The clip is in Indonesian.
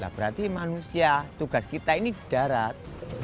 berarti manusia tugas kita ini di darat